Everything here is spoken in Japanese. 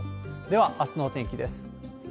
では、あすのお天気です。